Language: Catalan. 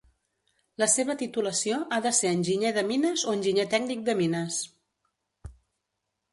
La seva titulació ha de ser enginyer de mines o enginyer tècnic de mines.